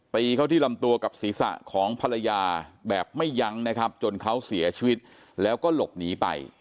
ตีเขาที่ลำตัวกับศีรษะของภรรยาแบบไม่ยั้งนะครับจนเขาเสียชีวิตแล้วก็หลบหนีไป